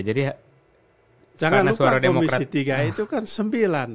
jangan lupa komisi tiga itu kan sembilan